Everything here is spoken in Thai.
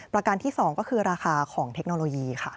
ประการที่๒ก็คือราคาของเทคโนโลยีค่ะ